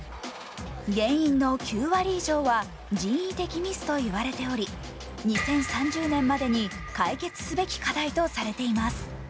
原因の９割以上は人為的ミスと言われており２０３０年までに解決すべき課題とされています。